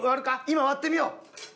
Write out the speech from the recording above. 今割ってみよう。